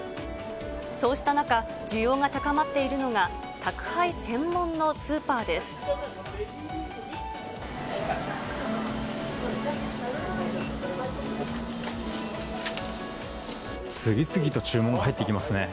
そうした中、需要が高まっているのが、宅配専門のスーパーです。